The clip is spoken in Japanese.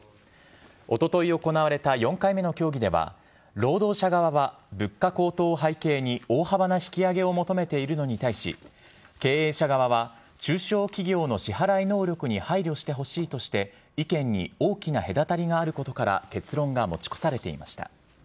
おととい行われた４回目の協議では労働者側は物価高騰を背景に大幅な引き上げを求めているのに対し経営者側は中小企業の支払い能力に配慮してほしいとして意見に大きな隔たりがあることから結論が持ち越されていました。